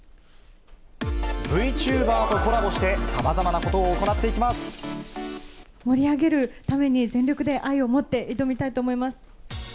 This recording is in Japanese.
Ｖチューバーとコラボして、盛り上げるために、全力で愛をもって、挑みたいと思います。